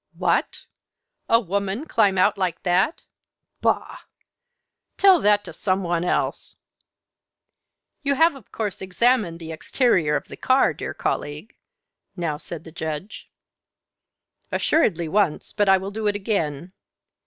"What! A woman climb out like that? Bah! Tell that to some one else!" "You have, of course, examined the exterior of the car, dear colleague?" now said the Judge. "Assuredly, once, but I will do it again.